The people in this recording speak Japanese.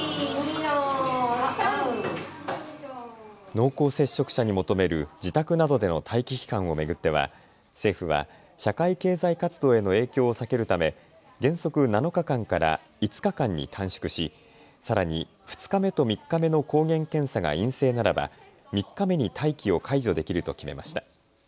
濃厚接触者に求める自宅などでの待機期間を巡っては政府は社会経済活動への影響を避けるため原則７日間から５日間に短縮しさらに２日目と３日目の抗原検査が陰性ならば３日目に待機を解除できると決めました。